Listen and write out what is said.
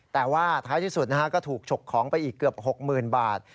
แต่ว่าท้ายที่สุดก็ถูกฉกของไปอีกเกือบ๖๐๐๐บาท